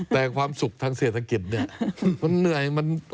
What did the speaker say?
แต่ความสุขทางเศรษฐกิจเนี่ยมันเหนื่อย